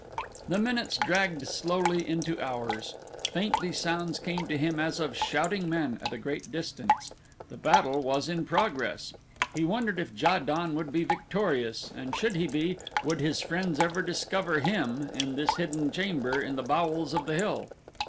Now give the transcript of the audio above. The minutes dragged slowly into hours. Faintly sounds came to him as of shouting men at a great distance. The battle was in progress. He wondered if Ja don would be victorious and should he be, would his friends ever discover him in this hidden chamber in the bowels of the hill?